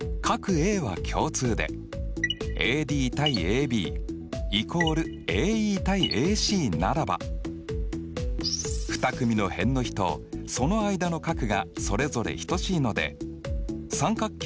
Ａは共通でＡＤ：ＡＢ＝ＡＥ：ＡＣならば２組の辺の比とその間の角がそれぞれ等しいので三角形